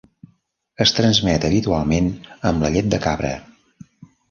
Es transmet habitualment amb la llet de cabra.